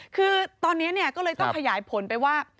คือตอนนี้ก็เลยต้องขยายผลไปว่า